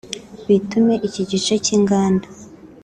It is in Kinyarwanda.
bitume iki gice cy’inganda